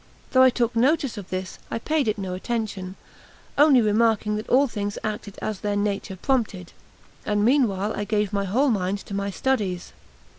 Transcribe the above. Though I took notice of this, I paid it no attention, only remarking that all things acted as their nature prompted; and meanwhile I gave my whole mind to my studies.